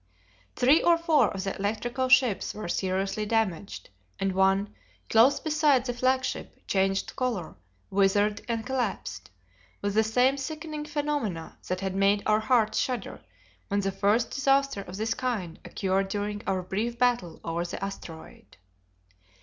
Three or four of the electrical ships were seriously damaged, and one, close beside the flagship, changed color, withered and collapsed, with the same sickening phenomena that had made our hearts shudder when the first disaster of this kind occurred during our brief battle over the asteroid.